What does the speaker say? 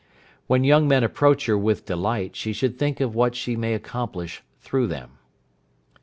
When young men approach her with delight, she should think of what she may accomplish through them.